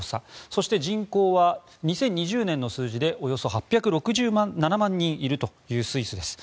そして人口は２０２０年の数字でおよそ８６７万人いるというスイスです。